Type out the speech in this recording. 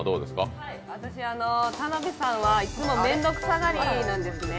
田辺さんはいっつも面倒くさがりなんですね。